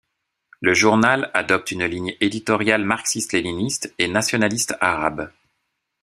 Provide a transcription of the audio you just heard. Le journal adopte une ligne éditoriale marxiste-léniniste et nationaliste arabe.